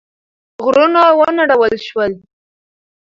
غرونه ونړول شول.